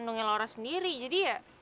kanungnya laura sendiri jadi ya